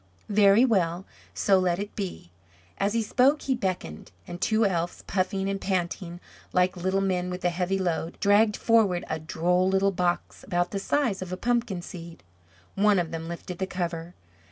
"Very well; so let it be." As he spoke he beckoned, and two elves puffing and panting like little men with a heavy load, dragged forward a droll little box about the size of a pumpkin seed. One of them lifted the cover.